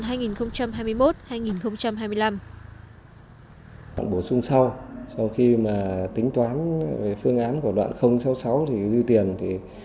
đoạn bổ sung sau sau khi mà tính toán về phương án của đoạn sáu mươi sáu thì dư tiền thì